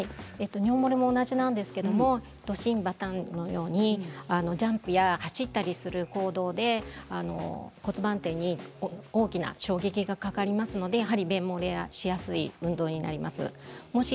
尿もれも同じなんですけれどドシン、バタンのようにジャンプや走ったりする行動で骨盤底に大きな衝撃がかかりますので便もれしやすいモードになります。